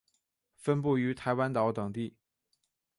分布于台湾岛等地。